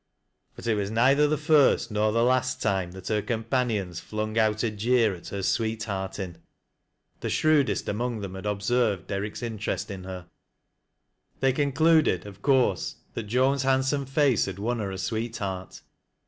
But it was neither the first nor the last time thi> hei eompaiaioiis flung out a jeer at her " sweetheartin'." The 8hi ewdest among them had observed Derriclc's interest in her. They concluded, of course, that Joan's handsome face had won her a sweetheart.